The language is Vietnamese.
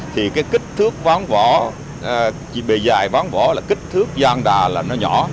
thì cái kích thước ván vỏ bề dày ván vỏ là kích thước gian đà là nó nhỏ